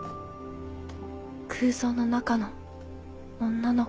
空想の中の女の子。